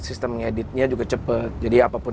sistem ngeditnya juga cepat jadi apapun